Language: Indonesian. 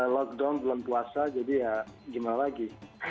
lockdown belum puasa jadi ya gimana lagi